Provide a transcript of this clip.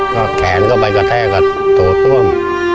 ก็แขนก็ไปกระแทกกับโถส้วม